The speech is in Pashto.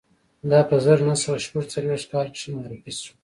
دا په زر نه سوه شپږ څلویښت کال کې معرفي شو